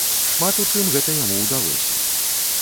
Шмат у чым гэта яму ўдалося.